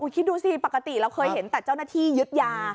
คิดดูสิปกติเราเคยเห็นแต่เจ้าหน้าที่ยึดยา